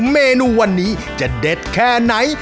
เมนูวันนี้จะเด็ดแค่ไหน